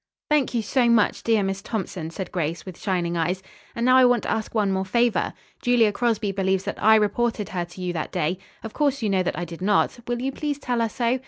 '" "Thank you so much, dear Miss Thompson," said Grace with shining eyes, "and now I want to ask one more favor. Julia Crosby believes that I reported her to you that day. Of course you know that I did not. Will you please tell her so?